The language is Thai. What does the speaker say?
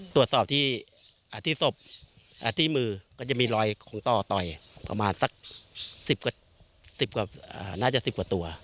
ตรวจสอบที่ที่มือก็จะมีรอยของต่อต่อยประมาณสัก๑๐กว่าตัว